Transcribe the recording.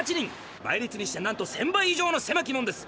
倍率にしてなんと１，０００倍以上のせまき門です。